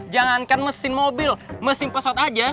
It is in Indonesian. jangankan mesin mobil mesin pesawat aja